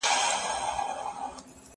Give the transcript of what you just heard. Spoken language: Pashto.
زه له سهاره سړو ته خواړه ورکوم!!